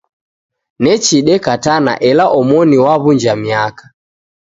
Nechi dekatana ela omoni waw'unja miaka.